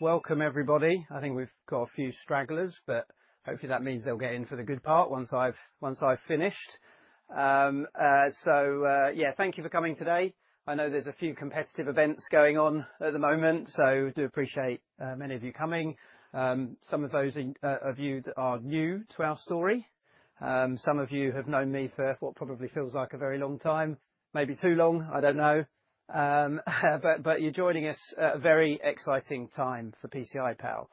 Welcome, everybody. I think we've got a few stragglers, but hopefully that means they'll get in for the good part once I've finished. Thank you for coming today. I know there's a few competitive events going on at the moment, so I do appreciate many of you coming. Some of those of you that are new to our story, some of you have known me for what probably feels like a very long time, maybe too long, I don't know. You're joining us at a very exciting time for PCI Pal.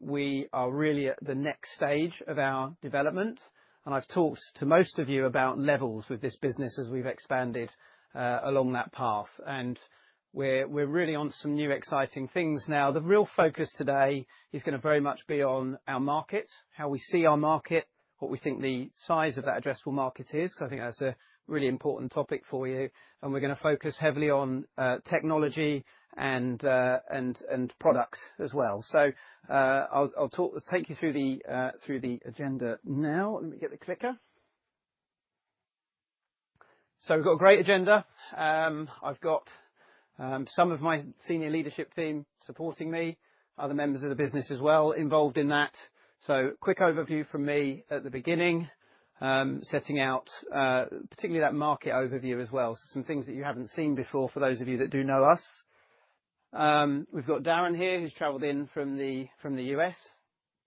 We are really at the next stage of our development, and I've talked to most of you about levels with this business as we've expanded along that path. We're really on some new exciting things now. The real focus today is going to very much be on our market, how we see our market, what we think the size of that addressable market is, because I think that's a really important topic for you. We're going to focus heavily on technology and products as well. I'll take you through the agenda now. Let me get the clicker. We've got a great agenda. I've got some of my senior leadership team supporting me, other members of the business as well involved in that. Quick overview from me at the beginning, setting out particularly that market overview as well. Some things that you haven't seen before for those of you that do know us. We've got Darren here, who's traveled in from the U.S.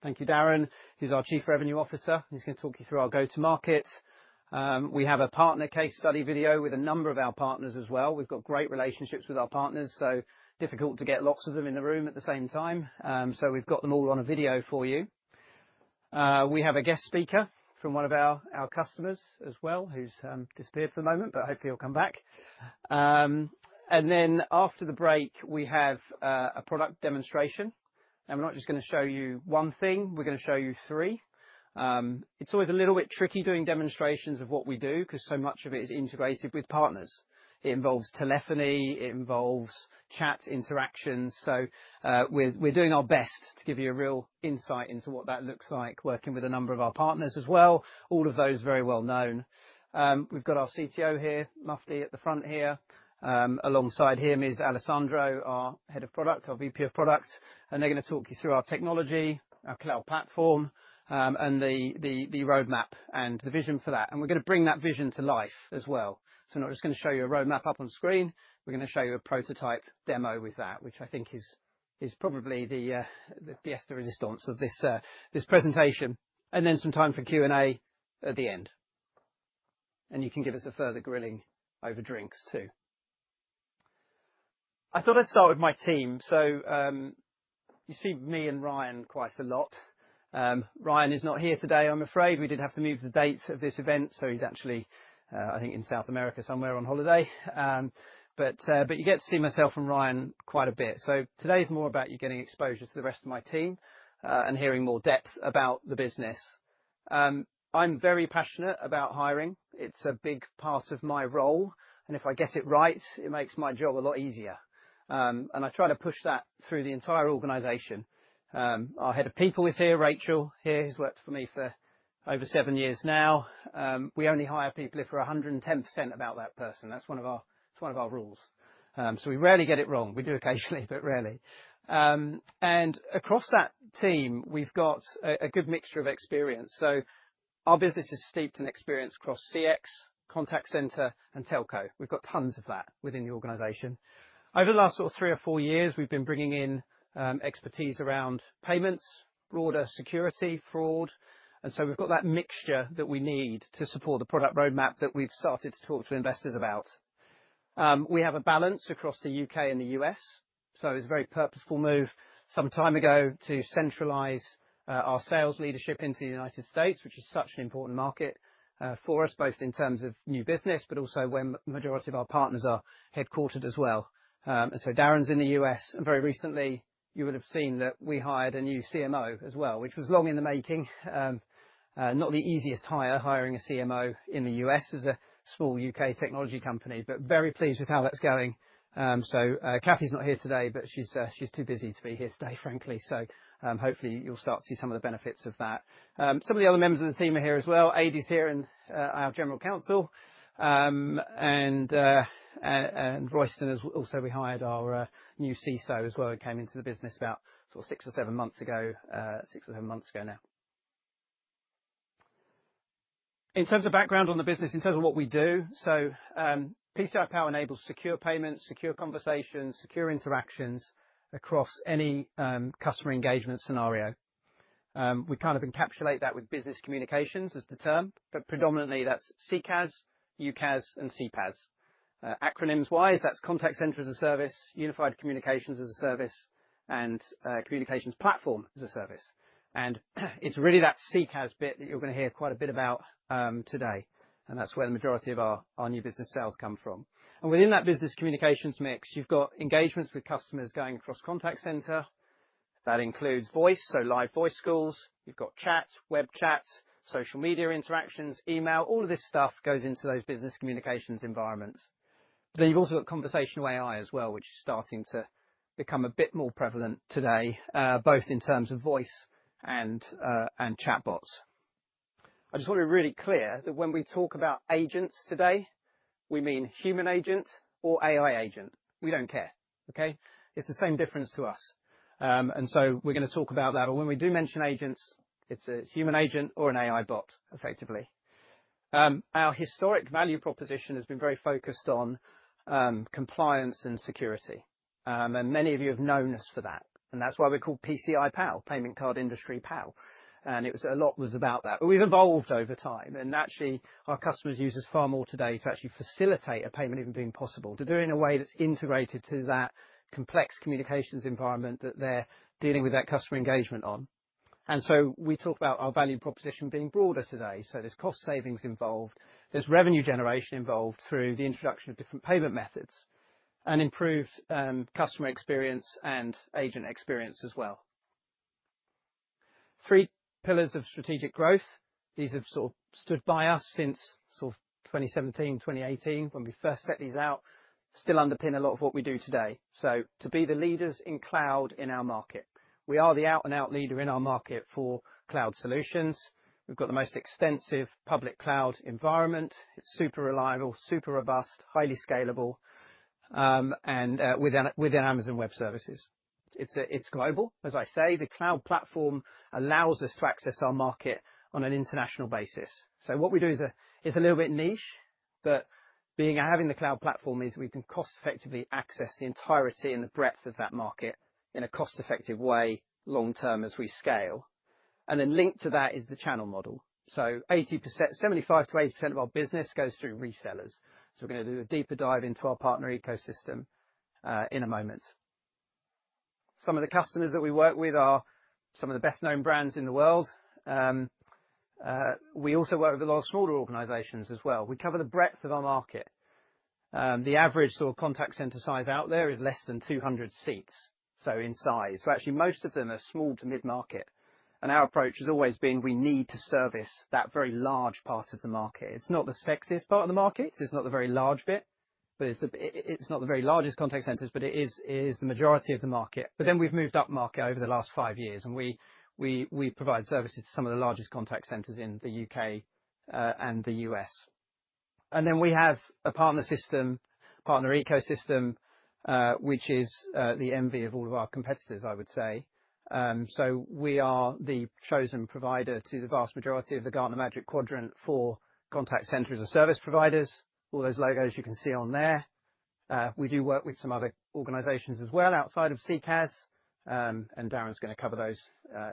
Thank you, Darren, who's our Chief Revenue Officer. He's going to talk you through our go-to-market. We have a partner case study video with a number of our partners as well. We've got great relationships with our partners, so it's difficult to get lots of them in the room at the same time. We have them all on a video for you. We have a guest speaker from one of our customers as well, who's disappeared for the moment, but hopefully he'll come back. After the break, we have a product demonstration. We're not just going to show you one thing, we're going to show you three. It's always a little bit tricky doing demonstrations of what we do because so much of it is integrated with partners. It involves telephony, it involves chat interactions. We're doing our best to give you a real insight into what that looks like, working with a number of our partners as well. All of those very well known. We've got our CTO here, Mufti, at the front here, alongside him is Alessandro, our Head of Product, our VP of Product. They are going to talk you through our technology, our cloud platform, and the roadmap and the vision for that. We are going to bring that vision to life as well. We are not just going to show you a roadmap up on screen, we are going to show you a prototype demo with that, which I think is probably the pièce de résistance of this presentation. There will be some time for Q&A at the end. You can give us a further grilling over drinks too. I thought I'd start with my team. You see me and Ryan quite a lot. Ryan is not here today, I'm afraid. We did have to move the date of this event, so he's actually, I think, in South America somewhere on holiday. You get to see myself and Ryan quite a bit. Today's more about you getting exposure to the rest of my team and hearing more depth about the business. I'm very passionate about hiring. It's a big part of my role. If I get it right, it makes my job a lot easier. I try to push that through the entire organization. Our Head of People is here, Rachel, here. He's worked for me for over seven years now. We only hire people if we're 110% about that person. That's one of our rules. We rarely get it wrong. We do occasionally, but rarely. Across that team, we've got a good mixture of experience. Our business is steeped in experience across CX, contact center, and telco. We've got tons of that within the organization. Over the last sort of three or four years, we've been bringing in expertise around payments, broader security, fraud. And so we've got that mixture that we need to support the product roadmap that we've started to talk to investors about. We have a balance across the U.K. and the U.S. It was a very purposeful move some time ago to centralize our sales leadership into the United States, which is such an important market for us, both in terms of new business, but also where the majority of our partners are headquartered as well. Darren's in the U.S. Very recently, you would have seen that we hired a new CMO as well, which was long in the making. Not the easiest hire, hiring a CMO in the U.S. It was a small U.K. technology company, but very pleased with how that's going. Kathy's not here today, but she's too busy to be here today, frankly. Hopefully you'll start to see some of the benefits of that. Some of the other members of the team are here as well. Aid is here in our General Counsel. Royston has also rehired our new CISO as well. He came into the business about six or seven months ago, six or seven months ago now. In terms of background on the business, in terms of what we do, PCI Pal enables secure payments, secure conversations, secure interactions across any customer engagement scenario. We kind of encapsulate that with business communications as the term, but predominantly that's CCaaS, UCaaS, and CPaaS. Acronyms-wise, that's Contact Center as a Service, Unified Communications as a Service, and Communications Platform as a Service. It is really that CCaaS bit that you're going to hear quite a bit about today. That is where the majority of our new business sales come from. Within that business communications mix, you've got engagements with customers going across contact center. That includes voice, so live voice calls. You've got chat, web chat, social media interactions, email. All of this stuff goes into those business communications environments. You've also got conversational AI as well, which is starting to become a bit more prevalent today, both in terms of voice and chatbots. I just want to be really clear that when we talk about agents today, we mean human agent or AI agent. We don't care, okay? It's the same difference to us. We're going to talk about that. When we do mention agents, it's a human agent or an AI bot, effectively. Our historic value proposition has been very focused on compliance and security. Many of you have known us for that. That's why we're called PCI Pal, Payment Card Industry PAL. A lot was about that. We've evolved over time. Actually, our customers use us far more today to facilitate a payment even being possible, to do it in a way that's integrated to that complex communications environment that they're dealing with that customer engagement on. We talk about our value proposition being broader today. There's cost savings involved. There's revenue generation involved through the introduction of different payment methods and improved customer experience and agent experience as well. Three pillars of strategic growth. These have sort of stood by us since sort of 2017, 2018, when we first set these out, still underpin a lot of what we do today. To be the leaders in cloud in our market. We are the out-and-out leader in our market for cloud solutions. We've got the most extensive public cloud environment. It's super reliable, super robust, highly scalable, and within Amazon Web Services. It's global, as I say. The cloud platform allows us to access our market on an international basis. What we do is a little bit niche, but having the cloud platform means we can cost-effectively access the entirety and the breadth of that market in a cost-effective way long-term as we scale. Linked to that is the channel model. 75%-80% of our business goes through resellers. We're going to do a deeper dive into our partner ecosystem in a moment. Some of the customers that we work with are some of the best-known brands in the world. We also work with a lot of smaller organizations as well. We cover the breadth of our market. The average sort of contact center size out there is less than 200 seats, in size. Actually, most of them are small to mid-market. Our approach has always been we need to service that very large part of the market. It's not the sexiest part of the market. It's not the very large bit. It's not the very largest contact centers, but it is the majority of the market. Then we've moved up market over the last five years, and we provide services to some of the largest contact centers in the U.K. and the U.S. We have a partner ecosystem, which is the envy of all of our competitors, I would say. We are the chosen provider to the vast majority of the Gartner Magic Quadrant for contact centers as a service providers. All those logos you can see on there. We do work with some other organizations as well outside of CCaaS. Darren's going to cover those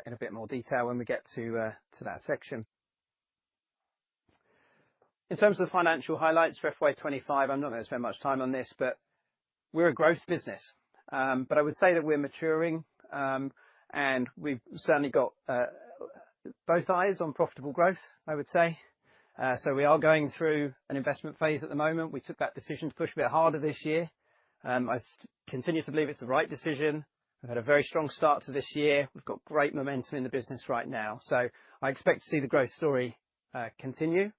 in a bit more detail when we get to that section. In terms of the financial highlights for FY 2025, I'm not going to spend much time on this, but we're a growth business. I would say that we're maturing, and we've certainly got both eyes on profitable growth, I would say. We are going through an investment phase at the moment. We took that decision to push a bit harder this year. I continue to believe it's the right decision. We've had a very strong start to this year. We've got great momentum in the business right now. I expect to see the growth story continue.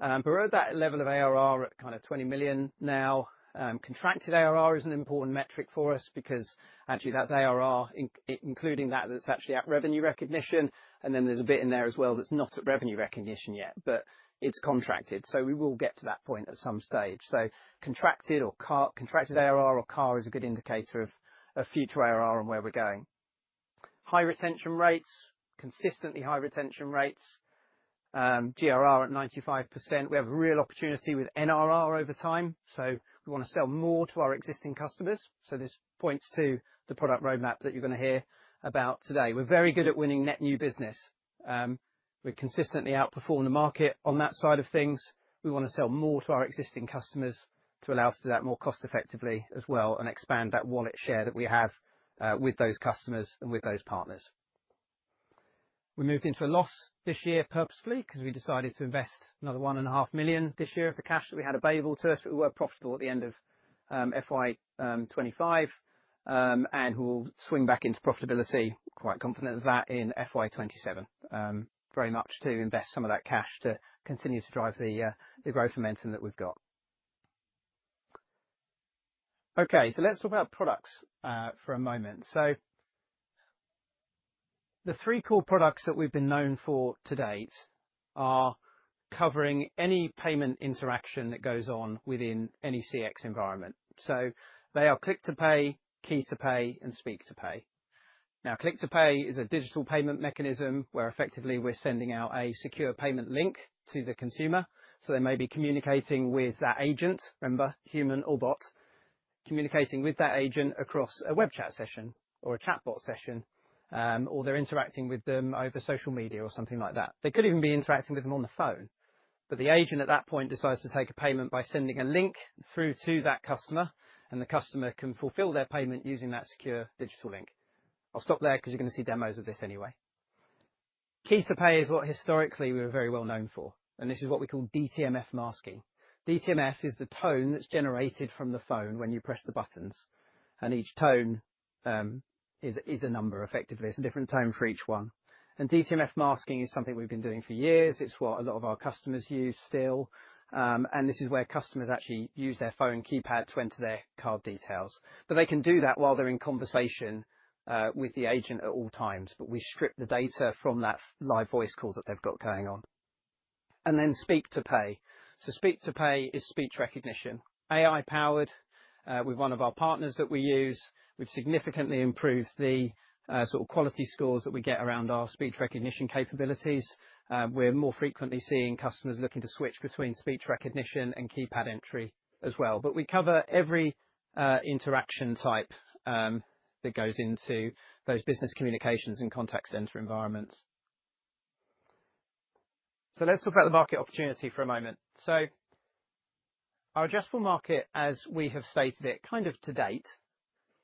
We're at that level of ARR at kind of $20 million now. Contracted ARR is an important metric for us because actually that's ARR, including that it's actually at revenue recognition. Then there's a bit in there as well that's not at revenue recognition yet, but it's contracted. We will get to that point at some stage. Contracted ARR or CAR is a good indicator of future ARR and where we're going. High retention rates, consistently high retention rates, GRR at 95%. We have a real opportunity with NRR over time. We want to sell more to our existing customers. This points to the product roadmap that you're going to hear about today. We're very good at winning net new business. We consistently outperform the market on that side of things. We want to sell more to our existing customers to allow us to do that more cost-effectively as well and expand that wallet share that we have with those customers and with those partners. We moved into a loss this year purposefully because we decided to invest another $1.5 million this year of the cash that we had available to us. We were profitable at the end of FY 2025 and will swing back into profitability. Quite confident of that in FY 2027. Very much to invest some of that cash to continue to drive the growth momentum that we've got. Okay, so let's talk about products for a moment. The three core products that we've been known for to date are covering any payment interaction that goes on within any CX environment. They are Click to Pay, Key to Pay, and Speak to Pay. Click to Pay is a digital payment mechanism where effectively we're sending out a secure payment link to the consumer. They may be communicating with that agent, remember, human or bot, communicating with that agent across a web chat session or a chatbot session, or they're interacting with them over social media or something like that. They could even be interacting with them on the phone. The agent at that point decides to take a payment by sending a link through to that customer, and the customer can fulfill their payment using that secure digital link. I'll stop there because you're going to see demos of this anyway. Key to Pay is what historically we were very well known for. This is what we call DTMF masking. DTMF is the tone that's generated from the phone when you press the buttons. Each tone is a number, effectively. It's a different tone for each one. DTMF masking is something we've been doing for years. It's what a lot of our customers use still. This is where customers actually use their phone keypad to enter their card details. They can do that while they're in conversation with the agent at all times. We strip the data from that live voice call that they've got going on. Speak to Pay is speech recognition. AI powered with one of our partners that we use, we've significantly improved the sort of quality scores that we get around our speech recognition capabilities. We're more frequently seeing customers looking to switch between speech recognition and keypad entry as well. We cover every interaction type that goes into those business communications and contact center environments. Let's talk about the market opportunity for a moment. Our addressable market, as we have stated it, kind of to date,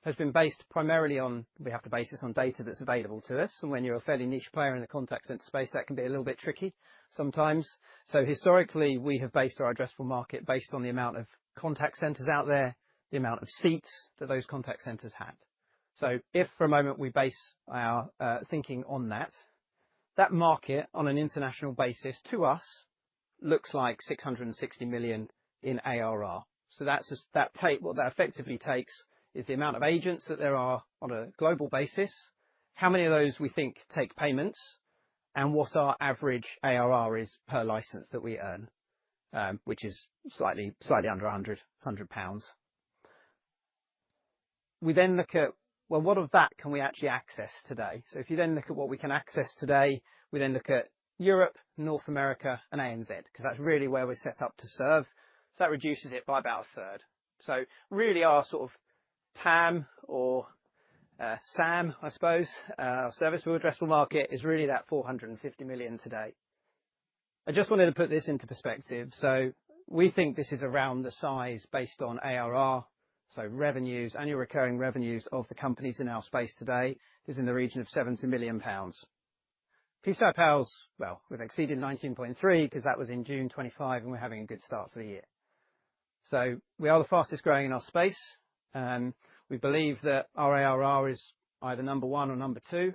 has been based primarily on we have the basis on data that's available to us. When you're a fairly niche player in the contact center space, that can be a little bit tricky sometimes. Historically, we have based our addressable market based on the amount of contact centers out there, the amount of seats that those contact centers have. If for a moment we base our thinking on that, that market on an international basis to us looks like $660 million in ARR. That's what that effectively takes is the amount of agents that there are on a global basis, how many of those we think take payments, and what our average ARR is per license that we earn, which is slightly under 100 pounds. We then look at, well, what of that can we actually access today? If you then look at what we can access today, we then look at Europe, North America, and ANZ, because that's really where we're set up to serve. That reduces it by about a third. Really our sort of TAM or SAM, I suppose, our serviceable addressable market is really that 450 million today. I just wanted to put this into perspective. We think this is around the size based on ARR, so revenues, annual recurring revenues of the companies in our space today is in the region of 70 million pounds. PCI Pal's, well, we've exceeded 19.3 million because that was in June 2025, and we're having a good start to the year. We are the fastest growing in our space. We believe that our ARR is either number one or number two.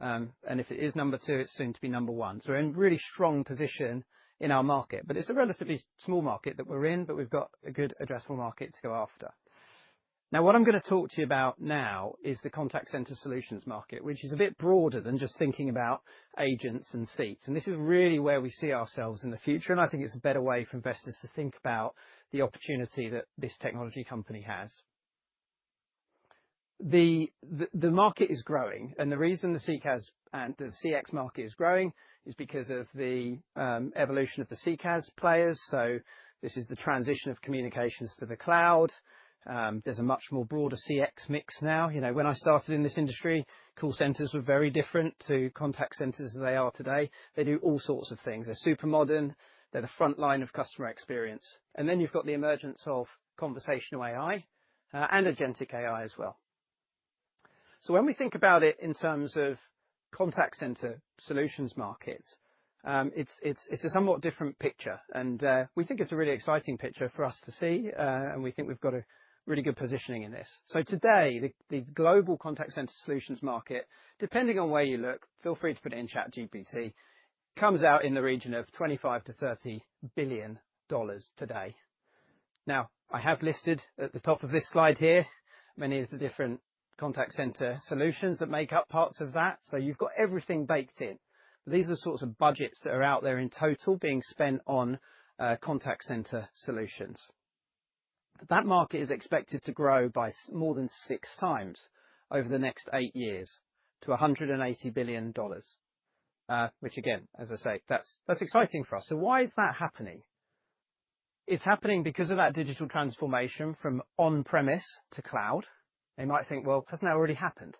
If it is number two, it's soon to be number one. We're in a really strong position in our market, but it's a relatively small market that we're in, but we've got a good addressable market to go after. Now, what I'm going to talk to you about now is the contact center solutions market, which is a bit broader than just thinking about agents and seats. This is really where we see ourselves in the future. I think it's a better way for investors to think about the opportunity that this technology company has. The market is growing. The reason the CCaaS and the CX market is growing is because of the evolution of the CCaaS players. This is the transition of communications to the cloud. There's a much more broader CX mix now. When I started in this industry, call centers were very different to contact centers as they are today. They do all sorts of things. They're super modern. They're the front line of customer experience. You've got the emergence of conversational AI and agentic AI as well. When we think about it in terms of contact center solutions markets, it's a somewhat different picture. We think it's a really exciting picture for us to see. We think we've got a really good positioning in this. Today, the global contact center solutions market, depending on where you look, feel free to put it in ChatGPT, comes out in the region of $25 billion-$30 billion today. I have listed at the top of this slide here many of the different contact center solutions that make up parts of that. You've got everything baked in. These are the sorts of budgets that are out there in total being spent on contact center solutions. That market is expected to grow by more than six times over the next eight years to $180 billion, which, as I say, that's exciting for us. Why is that happening? It's happening because of that digital transformation from on-premise to cloud. They might think, hasn't that already happened?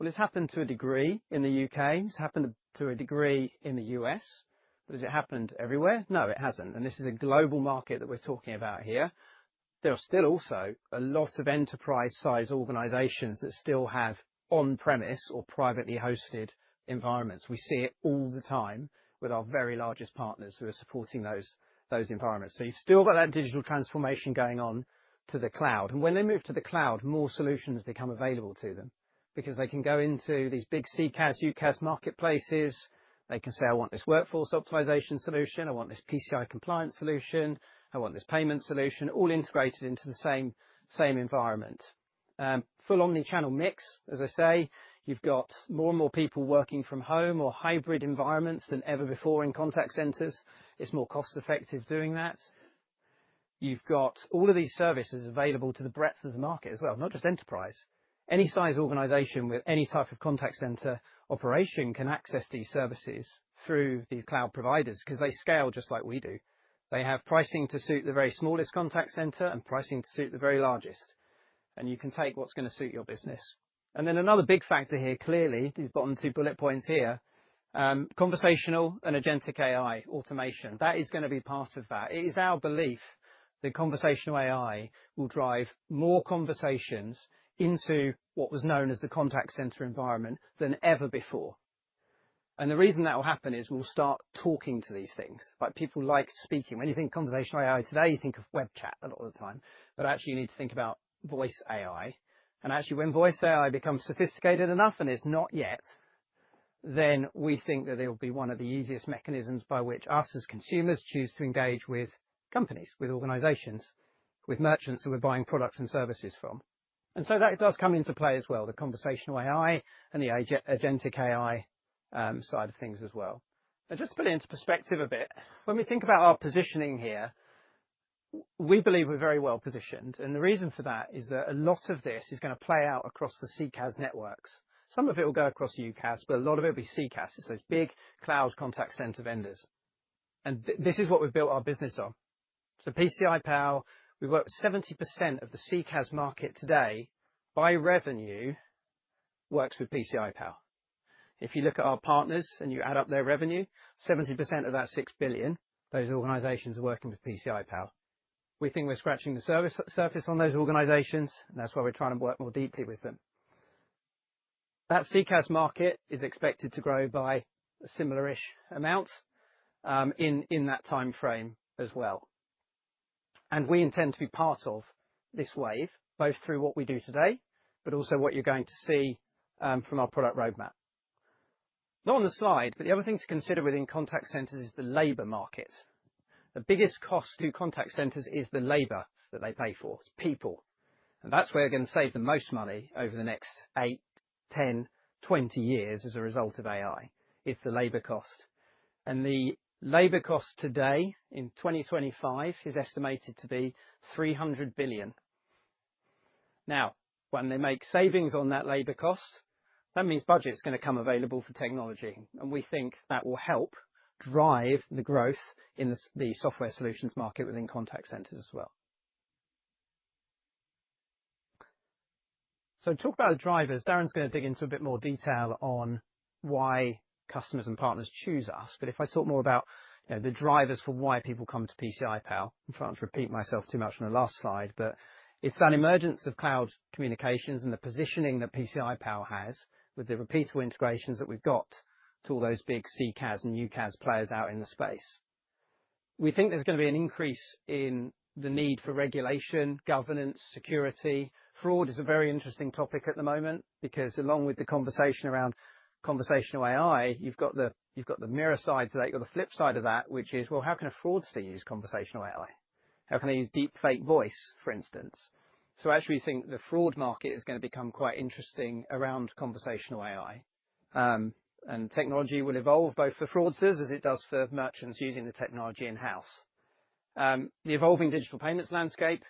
It has happened to a degree in the U.K. It has happened to a degree in the U.S. Has it happened everywhere? No, it has not. This is a global market that we are talking about here. There are still also a lot of enterprise-sized organizations that still have on-premise or privately hosted environments. We see it all the time with our very largest partners who are supporting those environments. You have still got that digital transformation going on to the cloud. When they move to the cloud, more solutions become available to them because they can go into these big CCaaS, UCaaS marketplaces. They can say, I want this workforce optimization solution. I want this PCI compliance solution. I want this payment solution, all integrated into the same environment. Full omnichannel mix, as I say, you've got more and more people working from home or hybrid environments than ever before in contact centers. It's more cost-effective doing that. You've got all of these services available to the breadth of the market as well, not just enterprise. Any size organization with any type of contact center operation can access these services through these cloud providers because they scale just like we do. They have pricing to suit the very smallest contact center and pricing to suit the very largest. You can take what's going to suit your business. Another big factor here, clearly, these bottom two bullet points here, conversational and agentic AI automation. That is going to be part of that. It is our belief that conversational AI will drive more conversations into what was known as the contact center environment than ever before. The reason that will happen is we'll start talking to these things. People like speaking. When you think conversational AI today, you think of web chat a lot of the time. Actually, you need to think about voice AI. Actually, when voice AI becomes sophisticated enough, and it's not yet, we think that it will be one of the easiest mechanisms by which us as consumers choose to engage with companies, with organizations, with merchants that we're buying products and services from. That does come into play as well, the conversational AI and the agentic AI side of things as well. Now, just to put it into perspective a bit, when we think about our positioning here, we believe we're very well positioned. The reason for that is that a lot of this is going to play out across the CCaaS networks. Some of it will go across UCaaS, but a lot of it will be CCaaS. It's those big cloud contact center vendors. This is what we've built our business on. PCI Pal, we work with 70% of the CCaaS market today by revenue works with PCI Pal. If you look at our partners and you add up their revenue, 70% of that 6 billion, those organizations are working with PCI Pal. We think we're scratching the surface on those organizations, and that's why we're trying to work more deeply with them. That CCaaS market is expected to grow by a similar-ish amount in that time frame as well. We intend to be part of this wave, both through what we do today, but also what you're going to see from our product roadmap. Not on the slide, but the other thing to consider within contact centers is the labor market. The biggest cost to contact centers is the labor that they pay for. It's people. That's where we're going to save the most money over the next eight, 10, 20 years as a result of AI is the labor cost. The labor cost today in 2025 is estimated to be 300 billion. When they make savings on that labor cost, that means budget's going to come available for technology. We think that will help drive the growth in the software solutions market within contact centers as well. Talk about the drivers. Darren's going to dig into a bit more detail on why customers and partners choose us. If I talk more about the drivers for why people come to PCI Pal, I'm trying to repeat myself too much on the last slide, but it's that emergence of cloud communications and the positioning that PCI Pal has with the repeatable integrations that we've got to all those big CCaaS and UCaaS players out in the space. We think there's going to be an increase in the need for regulation, governance, security. Fraud is a very interesting topic at the moment because along with the conversation around conversational AI, you've got the mirror side to that. You've got the flip side of that, which is, well, how can a fraudster use conversational AI? How can they use deep fake voice, for instance? Actually, we think the fraud market is going to become quite interesting around conversational AI. Technology will evolve both for fraudsters as it does for merchants using the technology in-house. The evolving digital payments landscape.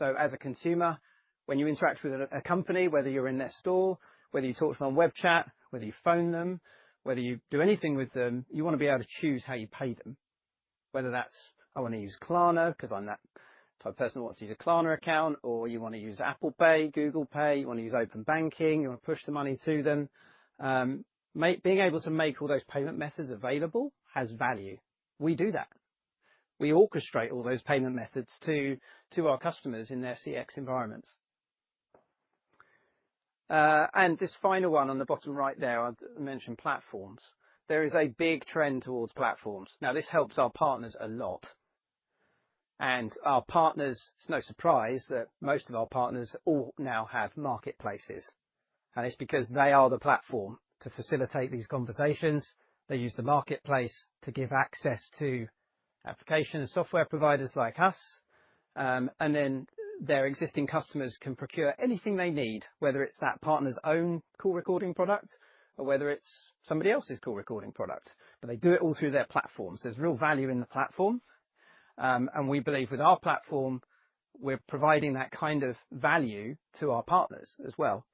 As a consumer, when you interact with a company, whether you're in their store, whether you talk to them on web chat, whether you phone them, whether you do anything with them, you want to be able to choose how you pay them. Whether that's, I want to use Klarna because I'm that type of person who wants to use a Klarna account, or you want to use Apple Pay, Google Pay, you want to use open banking, you want to push the money to them. Being able to make all those payment methods available has value. We do that. We orchestrate all those payment methods to our customers in their CX environments. This final one on the bottom right there, I mentioned platforms. There is a big trend towards platforms. Now, this helps our partners a lot. Our partners, it's no surprise that most of our partners all now have marketplaces. It's because they are the platform to facilitate these conversations. They use the marketplace to give access to application and software providers like us. Their existing customers can procure anything they need, whether it's that partner's own call recording product or whether it's somebody else's call recording product. They do it all through their platforms. There is real value in the platform. We believe with our platform, we're providing that kind of value to our partners as well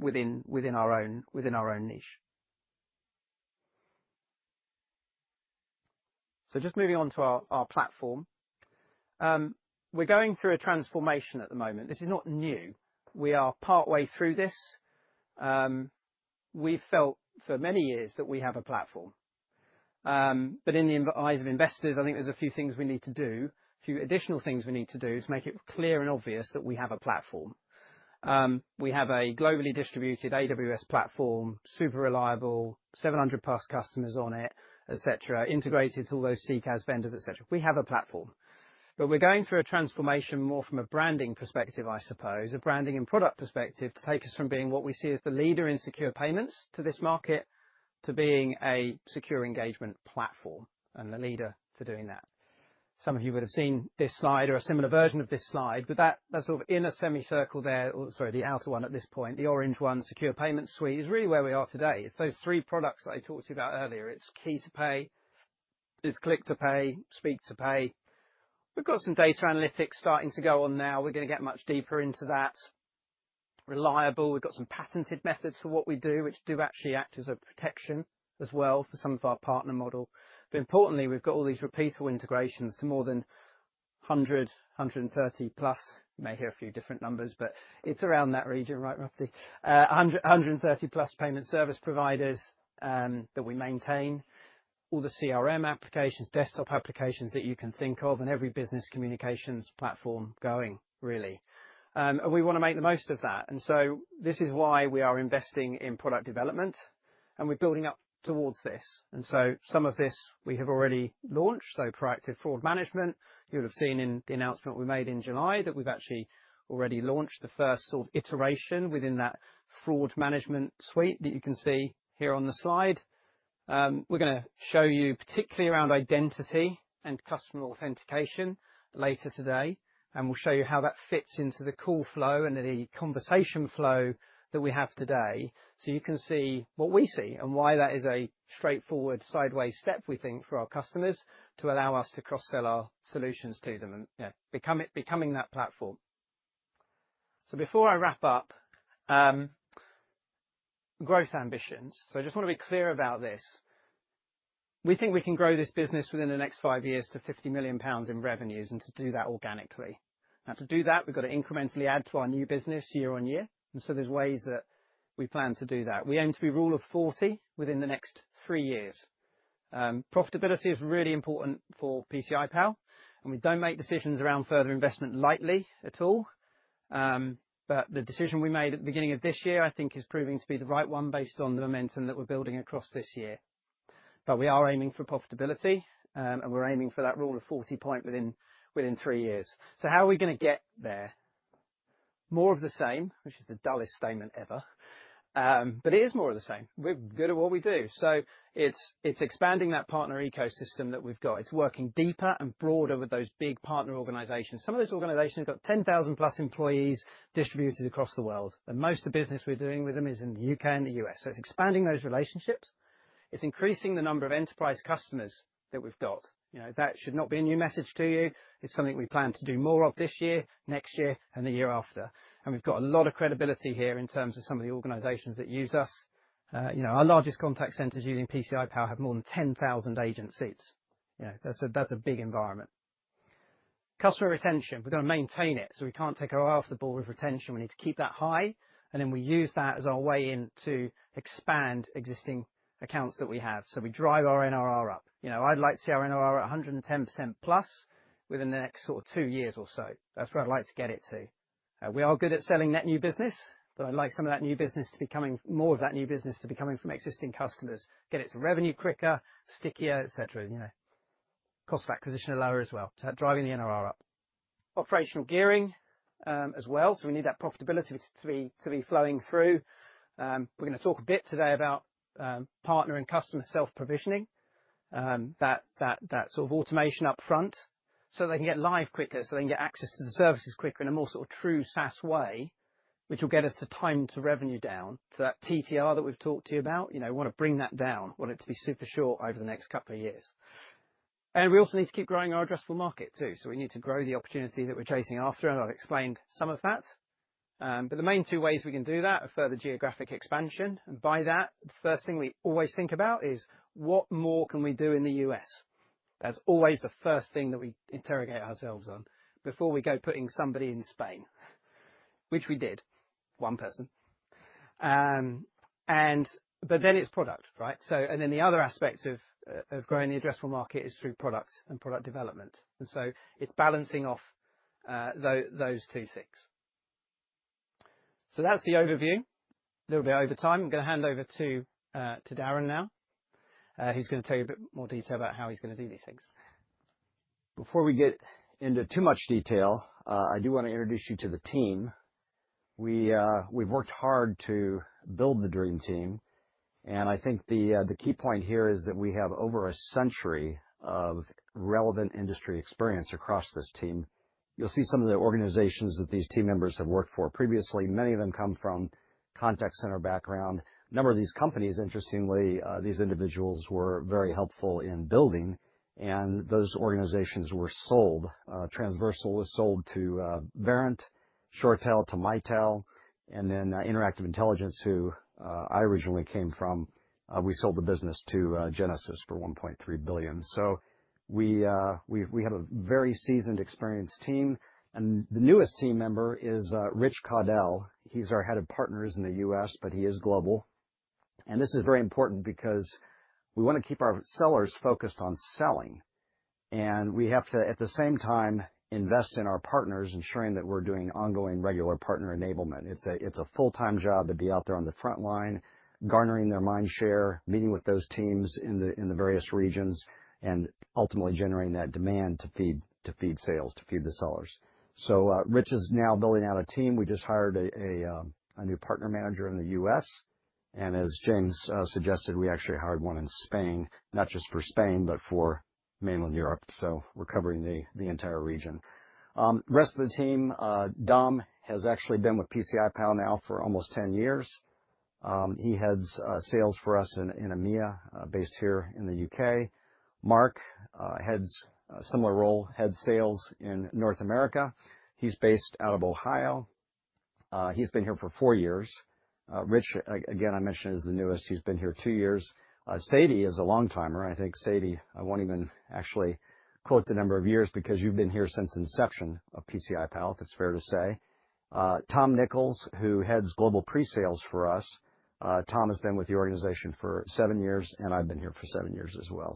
within our own niche. Just moving on to our platform. We're going through a transformation at the moment. This is not new. We are partway through this. We've felt for many years that we have a platform. In the eyes of investors, I think there's a few things we need to do, a few additional things we need to do to make it clear and obvious that we have a platform. We have a globally distributed AWS platform, super reliable, 700+ customers on it, etc., integrated to all those CCaaS vendors, etc. We have a platform. We're going through a transformation more from a branding perspective, I suppose, a branding and product perspective to take us from being what we see as the leader in secure payments to this market to being a secure engagement platform and the leader for doing that. Some of you would have seen this slide or a similar version of this slide, but that sort of inner semicircle there, or sorry, the outer one at this point, the orange one, secure payment suite, is really where we are today. It's those three products that I talked to you about earlier. It's Key to Pay, it's Click to Pay, Speak to Pay. We've got some data analytics starting to go on now. We're going to get much deeper into that. Reliable. We've got some patented methods for what we do, which do actually act as a protection as well for some of our partner model. Importantly, we've got all these repeatable integrations to more than 100, 130+. You may hear a few different numbers, but it's around that region, right, Mufti? 130+ payment service providers that we maintain, all the CRM applications, desktop applications that you can think of, and every business communications platform going, really. We want to make the most of that. This is why we are investing in product development, and we're building up towards this. Some of this we have already launched, so proactive fraud management. You'll have seen in the announcement we made in July that we've actually already launched the first sort of iteration within that fraud management suite that you can see here on the slide. We're going to show you particularly around identity and customer authentication later today, and we'll show you how that fits into the call flow and the conversation flow that we have today. You can see what we see and why that is a straightforward sideways step, we think, for our customers to allow us to cross-sell our solutions to them and becoming that platform. Before I wrap up, growth ambitions. I just want to be clear about this. We think we can grow this business within the next five years to 50 million pounds in revenues and to do that organically. Now, to do that, we've got to incrementally add to our new business year on year. There are ways that we plan to do that. We aim to be rule of 40 within the next three years. Profitability is really important for PCI Pal, and we don't make decisions around further investment lightly at all. The decision we made at the beginning of this year, I think, is proving to be the right one based on the momentum that we're building across this year. We are aiming for profitability, and we're aiming for that rule of 40 point within three years. How are we going to get there? More of the same, which is the dullest statement ever. It is more of the same. We're good at what we do. It's expanding that partner ecosystem that we've got. It's working deeper and broader with those big partner organizations. Some of those organizations have got 10,000 plus employees distributed across the world. Most of the business we're doing with them is in the U.K. and the U.S. It is expanding those relationships. It is increasing the number of enterprise customers that we've got. That should not be a new message to you. It is something we plan to do more of this year, next year, and the year after. We've got a lot of credibility here in terms of some of the organizations that use us. Our largest contact centers using PCI Pal have more than 10,000 agent seats. That's a big environment. Customer retention. We've got to maintain it. We can't take our eye off the ball with retention. We need to keep that high. We use that as our way in to expand existing accounts that we have. We drive our NRR up. I'd like to see our NRR at 110%+ within the next sort of two years or so. That's where I'd like to get it to. We are good at selling net new business, but I'd like some of that new business to be coming, more of that new business to be coming from existing customers, get its revenue quicker, stickier, etc. Cost of acquisition are lower as well. Driving the NRR up. Operational gearing as well. We need that profitability to be flowing through. We're going to talk a bit today about partner and customer self-provisioning, that sort of automation upfront so they can get live quicker, so they can get access to the services quicker in a more sort of true SaaS way, which will get us to time to revenue down. That TTR that we've talked to you about, we want to bring that down, want it to be super short over the next couple of years. We also need to keep growing our addressable market too. We need to grow the opportunity that we're chasing after, and I've explained some of that. The main two ways we can do that are further geographic expansion. By that, the first thing we always think about is what more can we do in the U.S.? That's always the first thing that we interrogate ourselves on before we go putting somebody in Spain, which we did, one person. It is product, right? The other aspect of growing the addressable market is through product and product development. It is balancing off those two things. That is the overview. A little bit over time. I'm going to hand over to Darren now, who's going to tell you a bit more detail about how he's going to do these things. Before we get into too much detail, I do want to introduce you to the team. We've worked hard to build the dream team. I think the key point here is that we have over a century of relevant industry experience across this team. You'll see some of the organizations that these team members have worked for previously. Many of them come from contact center background. A number of these companies, interestingly, these individuals were very helpful in building. And those organizations were sold. Transversal was sold to Verint, ShoreTel to Mitel, and then Interactive Intelligence, who I originally came from. We sold the business to Genesys for $1.3 billion. We have a very seasoned, experienced team. The newest team member is Rich Caudell. He's our Head of Partners in the U.S., but he is global. This is very important because we want to keep our sellers focused on selling. We have to, at the same time, invest in our partners, ensuring that we're doing ongoing regular partner enablement. It's a full-time job to be out there on the front line, garnering their mind share, meeting with those teams in the various regions, and ultimately generating that demand to feed sales, to feed the sellers. Rich is now building out a team. We just hired a new partner manager in the U.S. As James suggested, we actually hired one in Spain, not just for Spain, but for mainland Europe. We are covering the entire region. Rest of the team, Dom has actually been with PCI Pal now for almost 10 years. He heads sales for us in EMEA, based here in the U.K. Mark heads a similar role, heads sales in North America. He is based out of Ohio. He has been here for four years. Rich, again, I mentioned, is the newest. He has been here two years. Sadie is a long-timer. I think Sadie, I won't even actually quote the number of years because you've been here since inception of PCI Pal, if it's fair to say. Tom Nichols, who heads global pre-sales for us. Tom has been with the organization for seven years, and I've been here for seven years as well.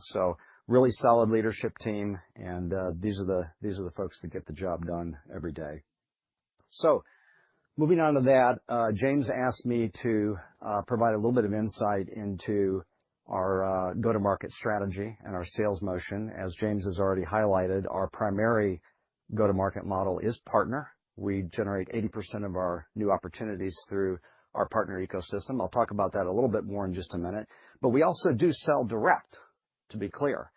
Really solid leadership team. These are the folks that get the job done every day. Moving on to that, James asked me to provide a little bit of insight into our go-to-market strategy and our sales motion. As James has already highlighted, our primary go-to-market model is partner. We generate 80% of our new opportunities through our partner ecosystem. I'll talk about that a little bit more in just a minute. We also do sell direct, to be clear.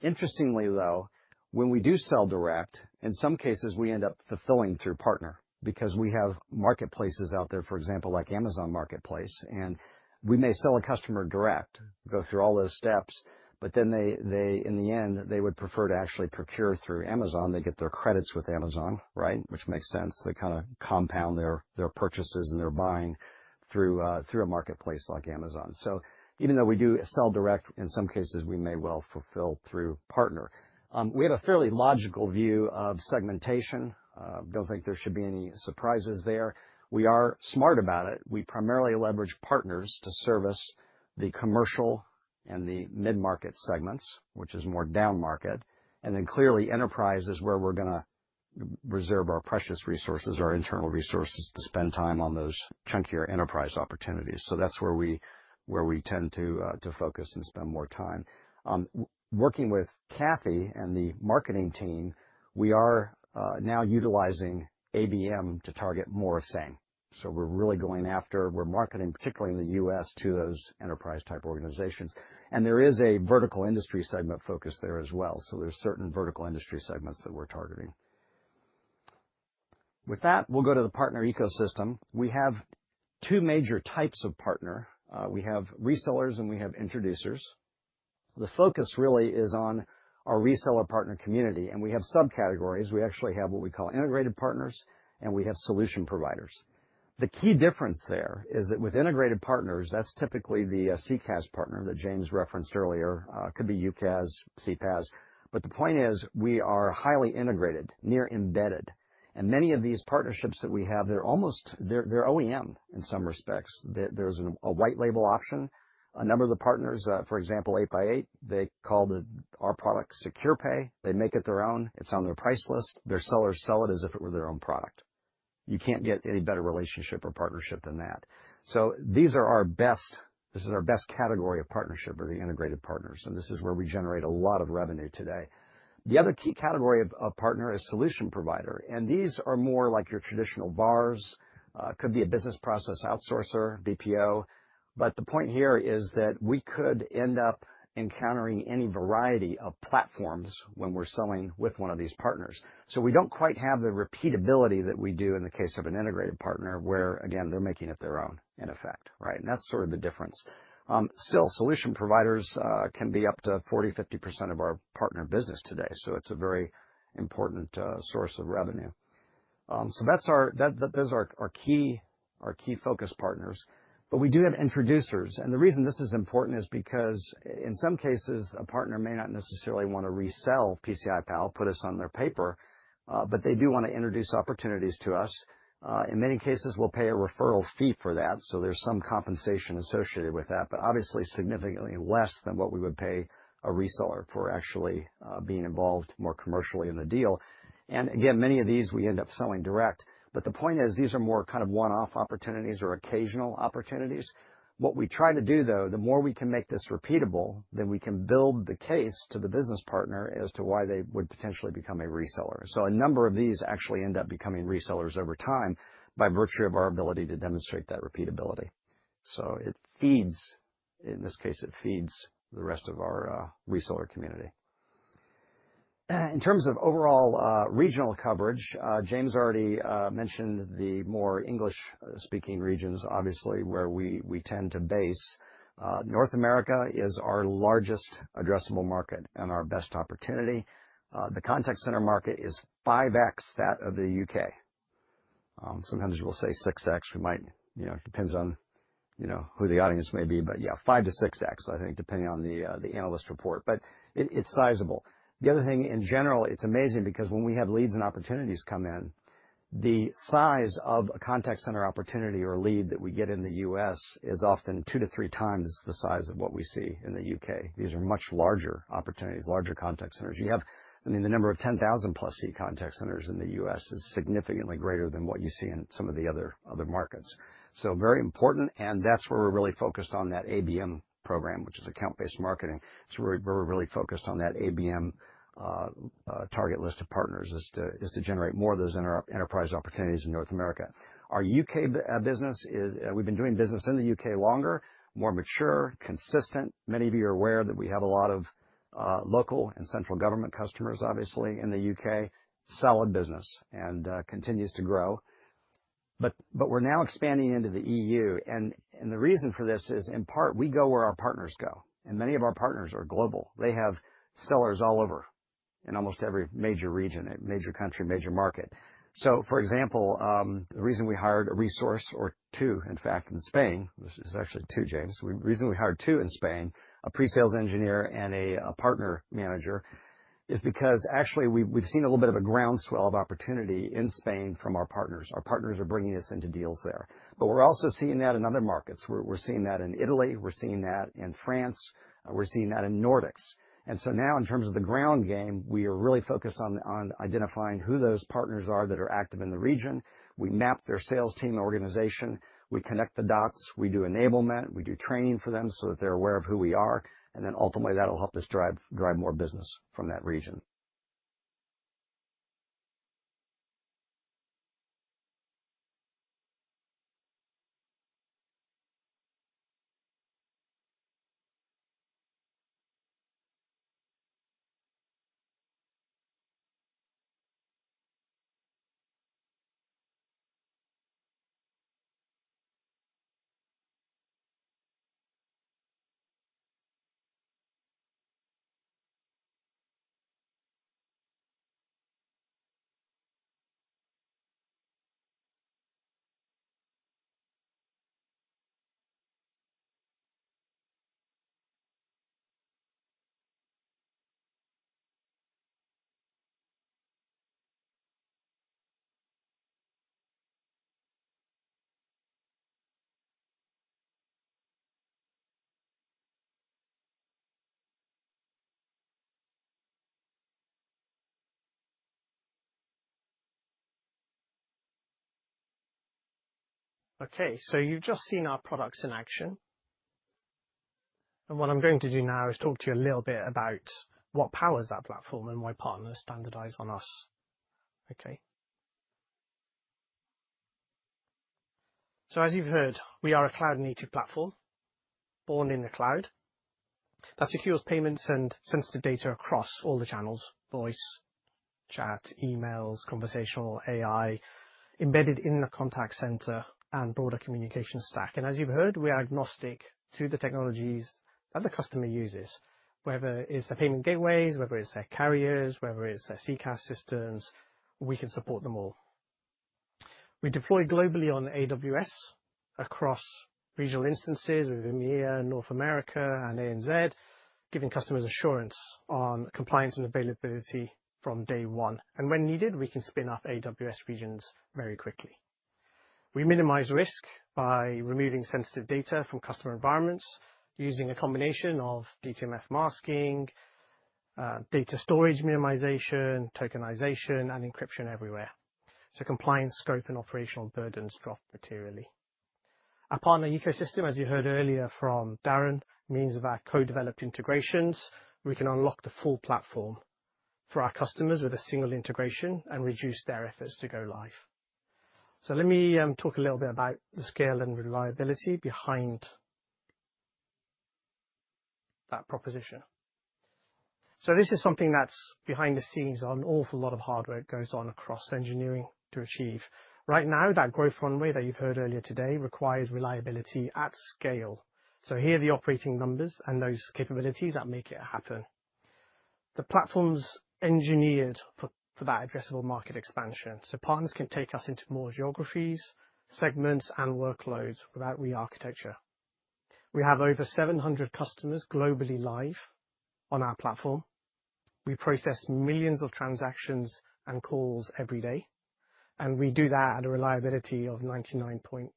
Interestingly, though, when we do sell direct, in some cases, we end up fulfilling through partner because we have marketplaces out there, for example, like Amazon Marketplace. We may sell a customer direct, go through all those steps, but then in the end, they would prefer to actually procure through Amazon. They get their credits with Amazon, right? Which makes sense. They kind of compound their purchases and their buying through a marketplace like Amazon. Even though we do sell direct, in some cases, we may well fulfill through partner. We have a fairly logical view of segmentation. I do not think there should be any surprises there. We are smart about it. We primarily leverage partners to service the commercial and the mid-market segments, which is more down market. Clearly, enterprise is where we're going to reserve our precious resources, our internal resources to spend time on those chunkier enterprise opportunities. That is where we tend to focus and spend more time. Working with Kathy and the marketing team, we are now utilizing ABM to target more of the same. We're really going after, we're marketing, particularly in the U.S., to those enterprise-type organizations. There is a vertical industry segment focus there as well. There are certain vertical industry segments that we're targeting. With that, we'll go to the partner ecosystem. We have two major types of partner. We have resellers and we have introducers. The focus really is on our reseller partner community. We have subcategories. We actually have what we call integrated partners, and we have solution providers. The key difference there is that with integrated partners, that's typically the CCaaS partner that James referenced earlier. It could be UCaaS, CPaaS. The point is we are highly integrated, near embedded. Many of these partnerships that we have, they're OEM in some respects. There's a white label option. A number of the partners, for example, 8x8, they call our product Secure Pay. They make it their own. It's on their price list. Their sellers sell it as if it were their own product. You can't get any better relationship or partnership than that. These are our best, this is our best category of partnership, the integrated partners. This is where we generate a lot of revenue today. The other key category of partner is solution provider. These are more like your traditional VARs, could be a business process outsourcer, BPO. The point here is that we could end up encountering any variety of platforms when we're selling with one of these partners. We do not quite have the repeatability that we do in the case of an integrated partner where, again, they're making it their own in effect, right? That is sort of the difference. Still, solution providers can be up to 40-50% of our partner business today. It is a very important source of revenue. Those are our key focus partners. We do have introducers. The reason this is important is because in some cases, a partner may not necessarily want to resell PCI Pal, put us on their paper, but they do want to introduce opportunities to us. In many cases, we'll pay a referral fee for that. There is some compensation associated with that, but obviously significantly less than what we would pay a reseller for actually being involved more commercially in the deal. Again, many of these we end up selling direct. The point is these are more kind of one-off opportunities or occasional opportunities. What we try to do, though, the more we can make this repeatable, then we can build the case to the business partner as to why they would potentially become a reseller. A number of these actually end up becoming resellers over time by virtue of our ability to demonstrate that repeatability. It feeds, in this case, it feeds the rest of our reseller community. In terms of overall regional coverage, James already mentioned the more English-speaking regions, obviously, where we tend to base. North America is our largest addressable market and our best opportunity. The contact center market is 5x that of the U.K. Sometimes we'll say 6x. We might, it depends on who the audience may be, but yeah, 5-6x, I think, depending on the analyst report. It is sizable. The other thing in general, it's amazing because when we have leads and opportunities come in, the size of a contact center opportunity or lead that we get in the U.S. is often two to three times the size of what we see in the U.K. These are much larger opportunities, larger contact centers. You have, I mean, the number of 10,000 plus seat contact centers in the U.S. is significantly greater than what you see in some of the other markets. Very important. That is where we're really focused on that ABM program, which is account-based marketing. It's where we're really focused on that ABM target list of partners is to generate more of those enterprise opportunities in North America. Our U.K. business is, we've been doing business in the U.K. longer, more mature, consistent. Many of you are aware that we have a lot of local and central government customers, obviously, in the U.K. Solid business and continues to grow. We are now expanding into the EU. The reason for this is, in part, we go where our partners go. Many of our partners are global. They have sellers all over in almost every major region, major country, major market. For example, the reason we hired a resource or two, in fact, in Spain, this is actually two, James. The reason we hired two in Spain, a pre-sales engineer and a partner manager, is because actually we've seen a little bit of a groundswell of opportunity in Spain from our partners. Our partners are bringing us into deals there. We're also seeing that in other markets. We're seeing that in Italy. We're seeing that in France. We're seeing that in Nordics. In terms of the ground game, we are really focused on identifying who those partners are that are active in the region. We map their sales team organization. We connect the dots. We do enablement. We do training for them so that they're aware of who we are. Ultimately, that'll help us drive more business from that region. Okay, you've just seen our products in action. What I'm going to do now is talk to you a little bit about what powers that platform and why partners standardize on us. As you've heard, we are a cloud-native platform born in the cloud that secures payments and sensitive data across all the channels: voice, chat, emails, conversational, AI, embedded in the contact center and broader communication stack. As you've heard, we are agnostic to the technologies that the customer uses, whether it's their payment gateways, whether it's their carriers, whether it's their CCaaS systems. We can support them all. We deploy globally on AWS across regional instances with EMEA, North America, and ANZ, giving customers assurance on compliance and availability from day one. When needed, we can spin up AWS regions very quickly. We minimize risk by removing sensitive data from customer environments using a combination of DTMF masking, data storage minimization, tokenization, and encryption everywhere. Compliance, scope, and operational burdens drop materially. Our partner ecosystem, as you heard earlier from Darren, means with our co-developed integrations, we can unlock the full platform for our customers with a single integration and reduce their efforts to go live. Let me talk a little bit about the scale and reliability behind that proposition. This is something that's behind the scenes on an awful lot of hardware that goes on across engineering to achieve. Right now, that growth runway that you've heard earlier today requires reliability at scale. Here are the operating numbers and those capabilities that make it happen. The platform's engineered for that addressable market expansion. Partners can take us into more geographies, segments, and workloads without re-architecture. We have over 700 customers globally live on our platform. We process millions of transactions and calls every day. We do that at a reliability of 99.999%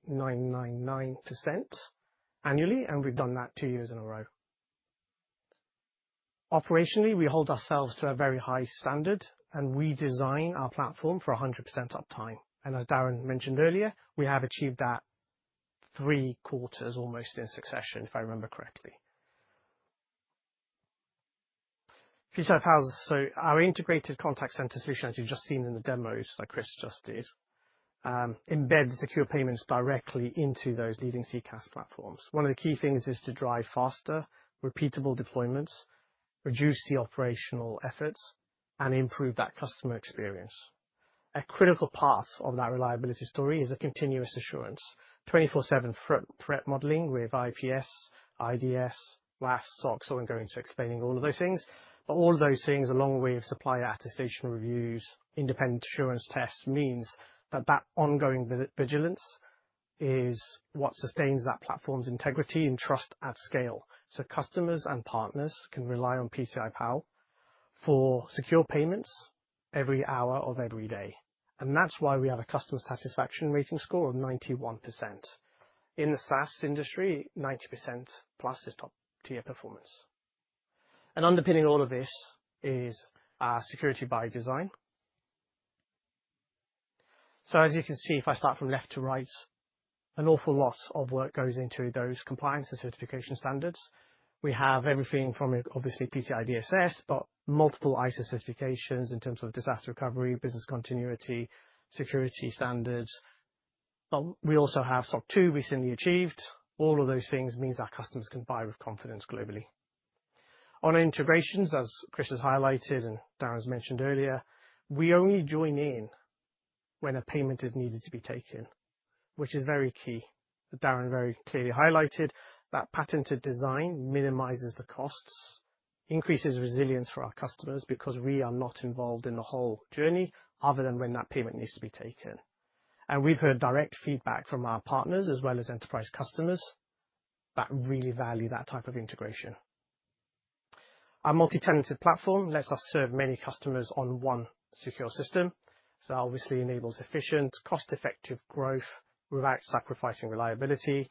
annually. We have done that two years in a row. Operationally, we hold ourselves to a very high standard. We design our platform for 100% uptime. As Darren mentioned earlier, we have achieved that three quarters almost in succession, if I remember correctly. PCI Pal's, so our integrated contact center solution, as you've just seen in the demos that Chris just did, embed secure payments directly into those leading CCaaS platforms. One of the key things is to drive faster, repeatable deployments, reduce the operational efforts, and improve that customer experience. A critical part of that reliability story is a continuous assurance, 24/7 threat modeling with IPS, IDS, WAF, SOCs. I am going to explain all of those things. All of those things, along with supplier attestation reviews, independent assurance tests, means that that ongoing vigilance is what sustains that platform's integrity and trust at scale. Customers and partners can rely on PCI Pal for secure payments every hour of every day. That is why we have a customer satisfaction rating score of 91%. In the SaaS industry, 90% plus is top-tier performance. Underpinning all of this is our security by design. As you can see, if I start from left to right, an awful lot of work goes into those compliance and certification standards. We have everything from obviously PCI DSS, but multiple ISO certifications in terms of disaster recovery, business continuity, security standards. We also have SOC 2 recently achieved. All of those things mean our customers can buy with confidence globally. On integrations, as Chris has highlighted and Darren's mentioned earlier, we only join in when a payment is needed to be taken, which is very key. Darren very clearly highlighted that patented design minimizes the costs, increases resilience for our customers because we are not involved in the whole journey other than when that payment needs to be taken. We have heard direct feedback from our partners as well as enterprise customers that really value that type of integration. Our multi-tenanted platform lets us serve many customers on one secure system. That obviously enables efficient, cost-effective growth without sacrificing reliability.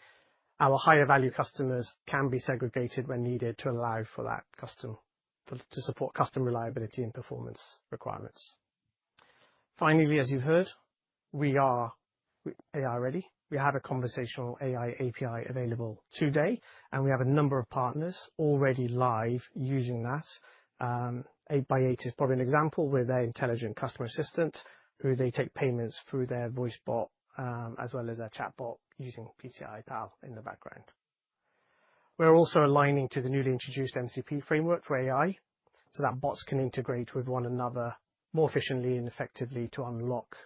Our higher value customers can be segregated when needed to allow for that custom to support custom reliability and performance requirements. Finally, as you have heard, we are AI ready. We have a conversational AI API available today. We have a number of partners already live using that. 8x8 is probably an example with their Intelligent Customer Assistant who they take payments through their voice bot as well as their chat bot using PCI Pal in the background. We're also aligning to the newly introduced MCP framework for AI so that bots can integrate with one another more efficiently and effectively to unlock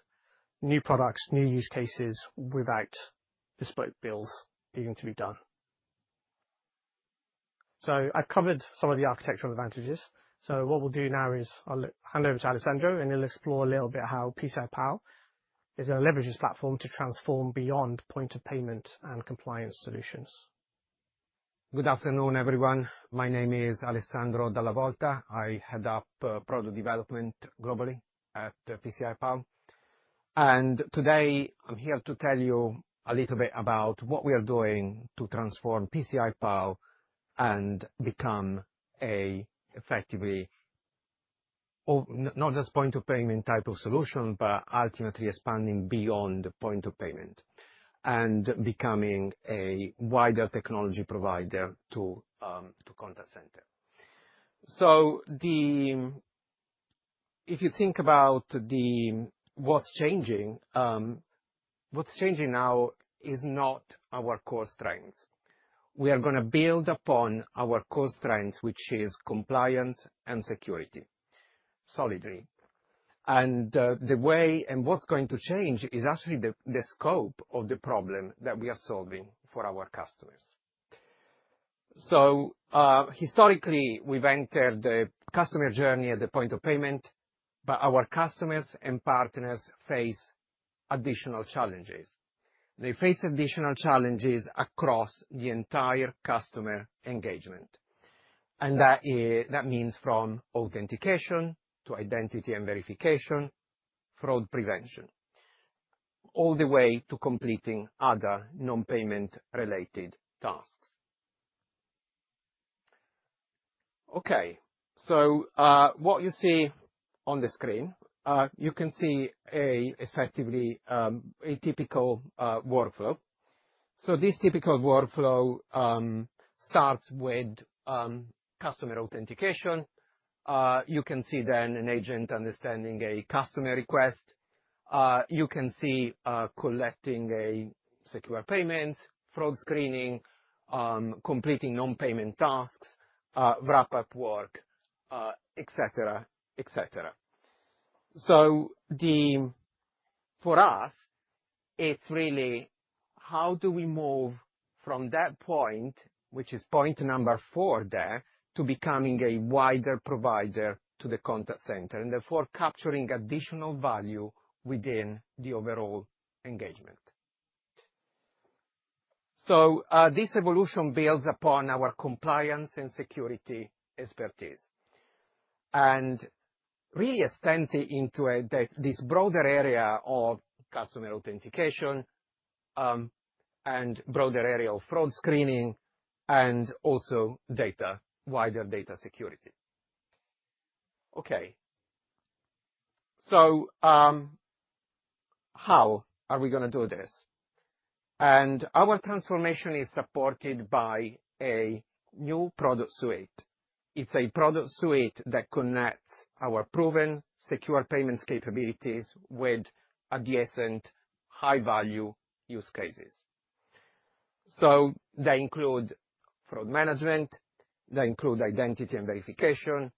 new products, new use cases without bespoke builds needing to be done. I have covered some of the architectural advantages. What we will do now is I'll hand over to Alessandro and he'll explore a little bit how PCI Pal is going to leverage this platform to transform beyond point of payment and compliance solutions. Good afternoon, everyone. My name is Alessandro Dalla Volta. I head up Product Development globally at PCI Pal. Today I'm here to tell you a little bit about what we are doing to transform PCI Pal and become effectively not just point of payment type of solution, but ultimately expanding beyond point of payment and becoming a wider technology provider to contact center. If you think about what's changing, what's changing now is not our core strengths. We are going to build upon our core strengths, which is compliance and security, solidarity. The way and what's going to change is actually the scope of the problem that we are solving for our customers. Historically, we've entered the customer journey at the point of payment, but our customers and partners face additional challenges. They face additional challenges across the entire customer engagement. That means from authentication to identity and verification, fraud prevention, all the way to completing other non-payment-related tasks. Okay, so what you see on the screen, you can see effectively a typical workflow. This typical workflow starts with customer authentication. You can see then an agent understanding a customer request. You can see collecting a secure payment, fraud screening, completing non-payment tasks, wrap-up work, et cetera, et cetera. For us, it's really how do we move from that point, which is point number four there, to becoming a wider provider to the contact center and therefore capturing additional value within the overall engagement. This evolution builds upon our compliance and security expertise and really extends into this broader area of customer authentication and broader area of fraud screening and also data, wider data security. Okay, how are we going to do this? Our transformation is supported by a new product suite. It's a product suite that connects our proven secure payments capabilities with adjacent high-value use cases. That includes fraud management, that includes identity and verification,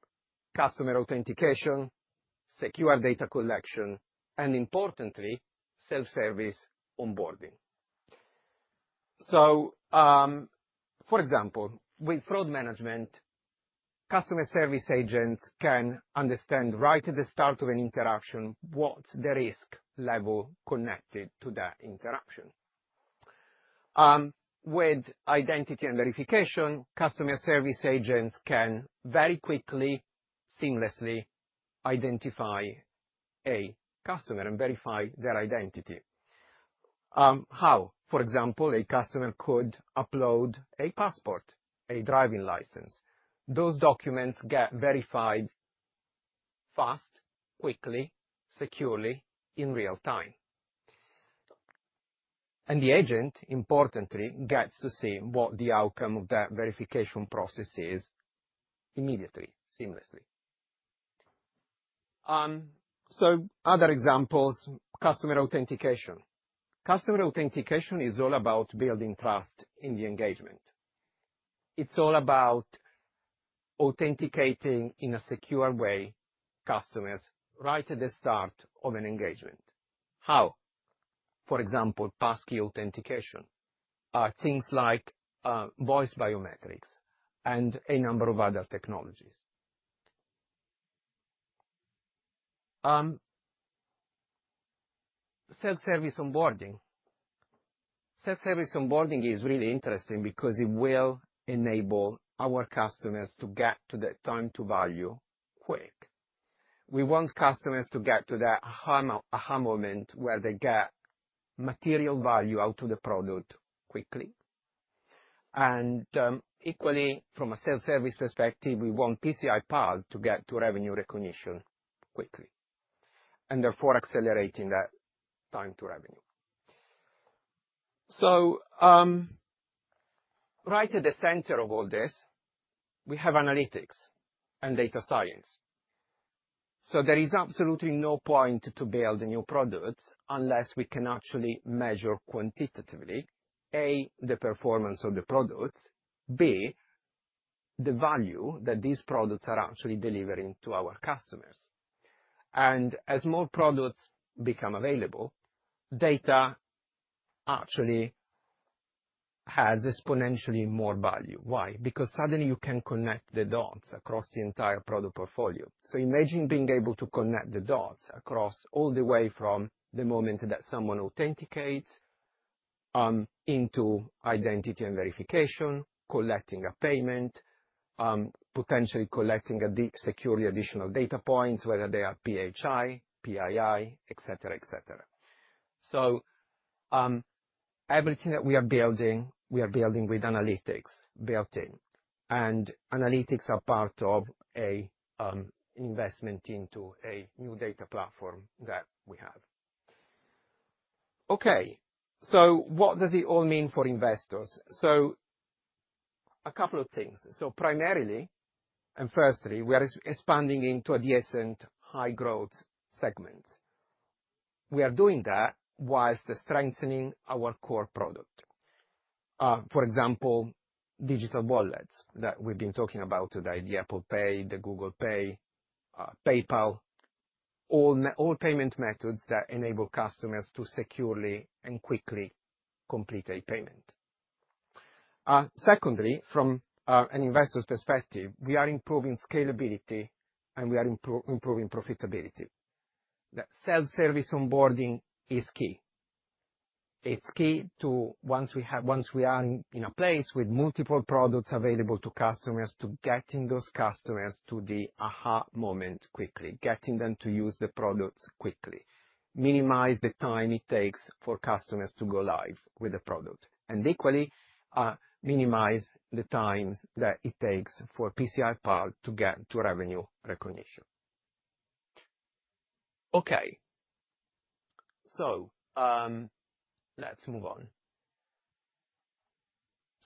customer authentication, secure data collection, and importantly, self-service onboarding. For example, with fraud management, customer service agents can understand right at the start of an interaction what's the risk level connected to that interaction. With identity and verification, customer service agents can very quickly, seamlessly identify a customer and verify their identity. How, for example, a customer could upload a passport, a driving license. Those documents get verified fast, quickly, securely in real time. The agent, importantly, gets to see what the outcome of that verification process is immediately, seamlessly. Other examples, customer authentication. Customer authentication is all about building trust in the engagement. It's all about authenticating in a secure way customers right at the start of an engagement. How? For example, passkey authentication, things like voice biometrics and a number of other technologies. Self-service onboarding. Self-service onboarding is really interesting because it will enable our customers to get to that time to value quick. We want customers to get to that aha moment where they get material value out of the product quickly. Equally, from a self-service perspective, we want PCI Pal to get to revenue recognition quickly and therefore accelerating that time to revenue. Right at the center of all this, we have analytics and data science. There is absolutely no point to build a new product unless we can actually measure quantitatively, A, the performance of the products, B, the value that these products are actually delivering to our customers. As more products become available, data actually has exponentially more value. Why? Because suddenly you can connect the dots across the entire product portfolio. Imagine being able to connect the dots all the way from the moment that someone authenticates into identity and verification, collecting a payment, potentially collecting security additional data points, whether they are PHI, PII, et cetera, et cetera. Everything that we are building, we are building with analytics built in. Analytics are part of an investment into a new data platform that we have. What does it all mean for investors? A couple of things. Primarily and firstly, we are expanding into adjacent high-growth segments. We are doing that whilst strengthening our core product. For example, digital wallets that we've been talking about today, the Apple Pay, the Google Pay, PayPal, all payment methods that enable customers to securely and quickly complete a payment. Secondly, from an investor's perspective, we are improving scalability and we are improving profitability. Self-service onboarding is key. It's key to once we are in a place with multiple products available to customers to getting those customers to the aha moment quickly, getting them to use the products quickly, minimize the time it takes for customers to go live with the product, and equally minimize the times that it takes for PCI Pal to get to revenue recognition. Okay, let's move on.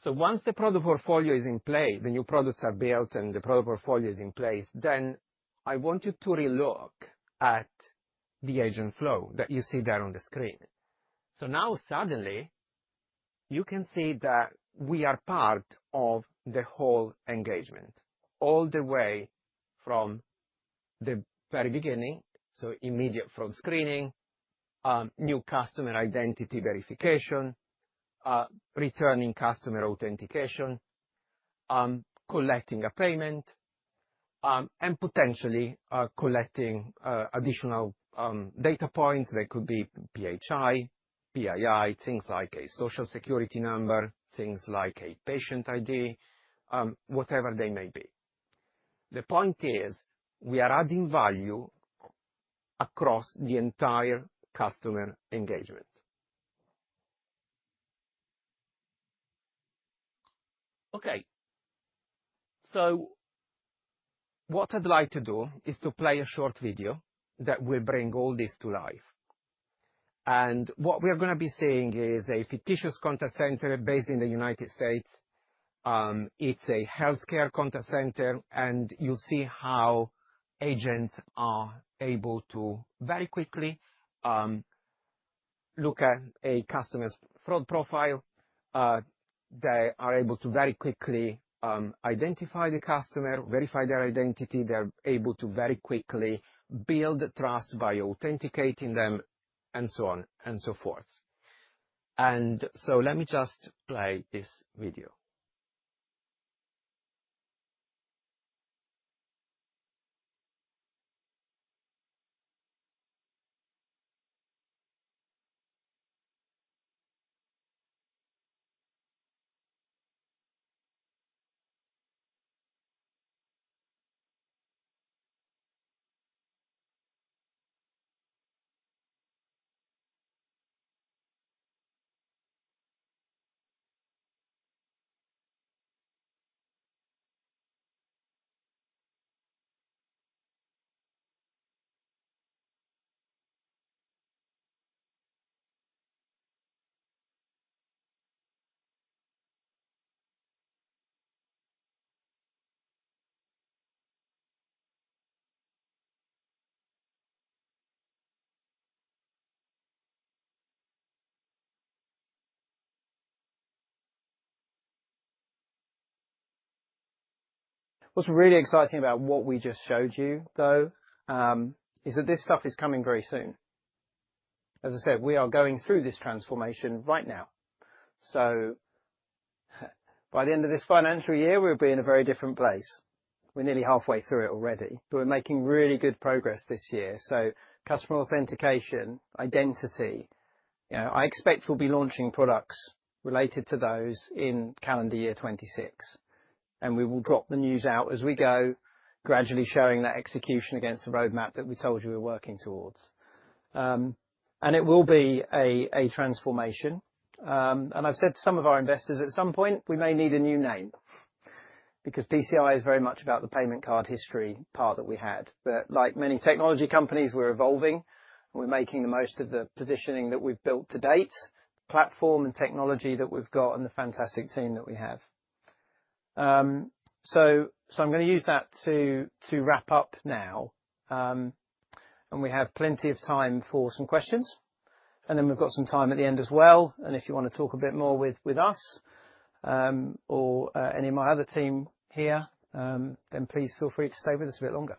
Once the product portfolio is in play, the new products are built and the product portfolio is in place, I want you to relook at the agent flow that you see there on the screen. Now suddenly you can see that we are part of the whole engagement all the way from the very beginning, so immediate fraud screening, new customer identity verification, returning customer authentication, collecting a payment, and potentially collecting additional data points. They could be PHI, PII, things like a social security number, things like a patient ID, whatever they may be. The point is we are adding value across the entire customer engagement. Okay, what I'd like to do is to play a short video that will bring all this to life. What we are going to be seeing is a fictitious contact center based in the United States. It's a healthcare contact center, and you'll see how agents are able to very quickly look at a customer's fraud profile. They are able to very quickly identify the customer, verify their identity. They're able to very quickly build trust by authenticating them and so on and so forth. Let me just play this video. What's really exciting about what we just showed you, though, is that this stuff is coming very soon. As I said, we are going through this transformation right now. By the end of this financial year, we will be in a very different place. We are nearly halfway through it already, but we are making really good progress this year. Customer authentication, identity, I expect we will be launching products related to those in calendar year 2026. We will drop the news out as we go, gradually showing that execution against the roadmap that we told you we are working towards. It will be a transformation. I have said to some of our investors, at some point, we may need a new name because PCI is very much about the payment card history part that we had. Like many technology companies, we are evolving. We're making the most of the positioning that we've built to date, the platform and technology that we've got, and the fantastic team that we have. I'm going to use that to wrap up now. We have plenty of time for some questions. We have some time at the end as well. If you want to talk a bit more with us or any of my other team here, then please feel free to stay with us a bit longer.